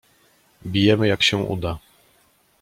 "Bijemy, jak się uda."